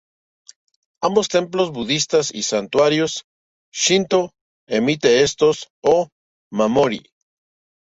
Ambos, templos budistas y santuarios shinto, emiten estos "o-mamori.